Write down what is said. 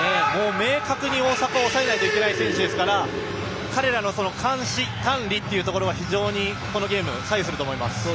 明確に大迫は抑えないといけない選手ですから彼らの監視、管理というところは非常にこのゲーム左右すると思います。